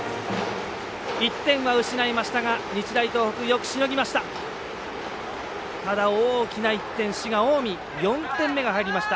１点は失いましたが、日大東北よくしのぎました。